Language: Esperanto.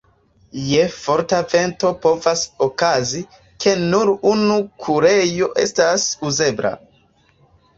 Je forta vento povas okazi, ke nur unu kurejo estas uzebla.